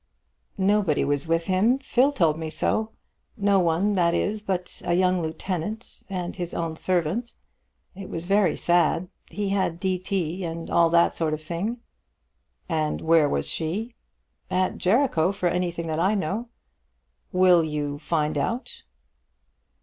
"Nobody was with him. Phil told me so. No one, that is, but a young lieutenant and his own servant. It was very sad. He had D.T., and all that sort of thing." "And where was she?" "At Jericho, for anything that I know." "Will you find out?"